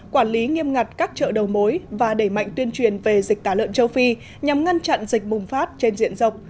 quản lý nghiêm ngặt các chợ đầu mối và đẩy mạnh tuyên truyền về dịch tả lợn châu phi nhằm ngăn chặn dịch bùng phát trên diện rộng